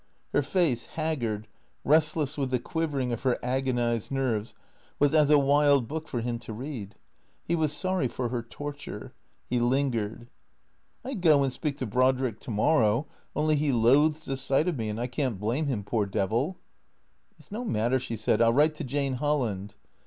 Her face, haggard, restless with the quivering of her agonized nerves, was as a wild book for him to read. He was sorry for her torture. He lingered. " I 'd go and speak to Brodrick to morrow, only he loathes the sight of me, and I can't blame him, poor devil." " It 's no matter," she said. " I '11 write to Jane Holland."